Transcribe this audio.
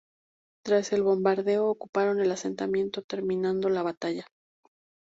Tras el bombardeo, ocuparon el asentamiento, terminando la batalla.